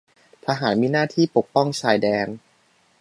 ทหารมีหน้าที่ปกป้องชายแดน